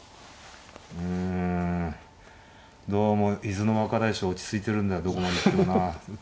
うんどうも伊豆の若大将落ち着いてるんだどこまで行ってもな。